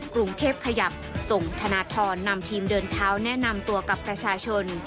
กรุงเทพขยับส่งธนทรนำทีมเดินเท้าแนะนำตัวกับประชาชน